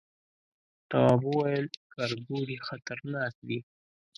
تواب وويل، کربوړي خطرناکه دي.